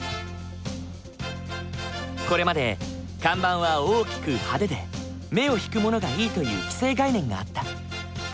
これまで看板は大きく派手で目を引くものがいいという既成概念があった。